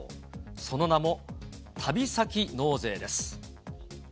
その名も、旅先納税です。